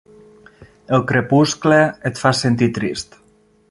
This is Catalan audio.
El crepuscle et fa sentir trist.